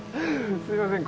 すいません